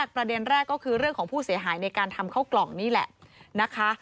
ประเด็นแรกก็คือเรื่องของผู้เสียหายในการทำเข้ากล่องนี่แหละนะคะ